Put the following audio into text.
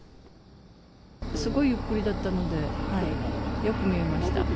すごいゆっくりだったので、よく見えました。